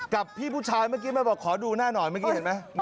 กับพี่ผู้ชายเมื่อกี้มาบอกขอดูหน้าหน่อยเมื่อกี้เห็นไหม